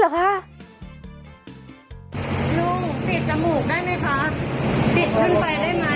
ได้ไหมคะปิดขึ้นไปให้ปิดจมูกแบบนี้ค่ะ